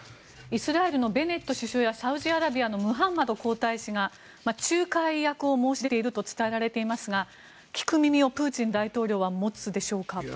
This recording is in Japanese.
イスラエルのベネット首相やサウジアラビアのムハンマド皇太子が仲介役を申し出ていると伝えられていますが聞く耳をプーチン大統領は持つでしょうか。